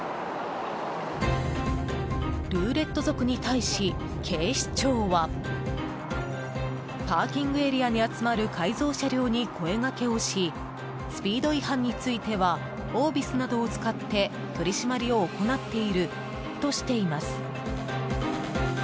ルーレット族に対し、警視庁はパーキングエリアに集まる改造車両に声がけをしスピード違反についてはオービスなどを使って取り締まりを行っているとしています。